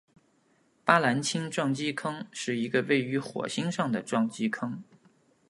巴兰钦撞击坑是一个位于水星上的撞击坑。